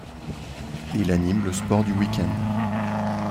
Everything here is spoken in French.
Il anime le sport du week-end.